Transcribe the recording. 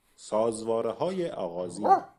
سازوارههای آغازین